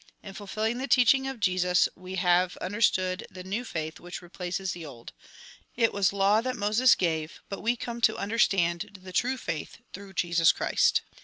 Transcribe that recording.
In fulfdling the teaching of Jesus, we have understood the new faith which replaces the old. It was law that Moses gave, but we come to under stand tlie true faith through Jesus Christ.